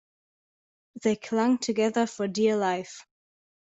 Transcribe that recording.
They clung together for dear life